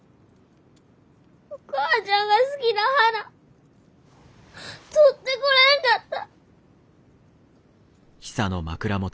お母ちゃんが好きな花採ってこれんかった！